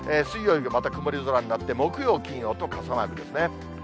水曜日、また曇り空になって、木曜、金曜と傘マークですね。